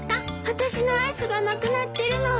あたしのアイスがなくなってるの。